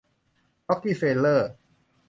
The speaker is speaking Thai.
ร็อกกี้เฟลเลอร์